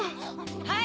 はい！